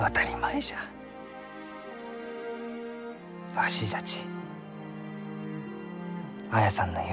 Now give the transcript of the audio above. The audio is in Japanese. わしじゃち綾さんの夢